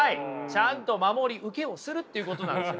ちゃんと守り受けをするっていうことなんです。